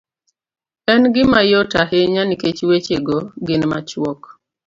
En gima yot ahinya nikech weche go gin machuok.